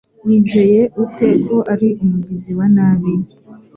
Wizeye ute ko ari umugizi wa nabi?